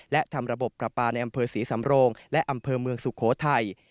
และทำระบบประปาในอำเภอศรีสำโรงและอำเภอเมืองสุโขทัย